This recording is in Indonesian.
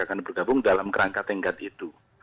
akan bergabung dalam kerangka tengkat itu